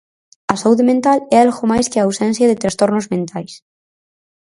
A saúde mental é algo máis que a ausencia de trastornos mentais.